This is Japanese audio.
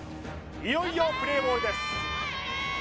いよいよプレーボールです